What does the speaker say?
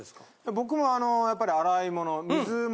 僕もあのやっぱり洗い物。